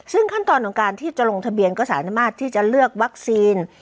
ซึ่งขั้นตอนของการที่จะลงทะเบียนก็สามารถที่จะเลือกวัคซีน